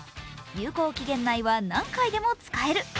有効期限内は何回でも使える。